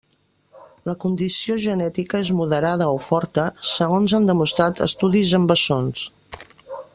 La condició genètica és moderada o forta, segons han demostrat estudis amb bessons.